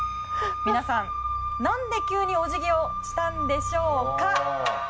皆さん、なんで急にお辞儀をしたんでしょうか。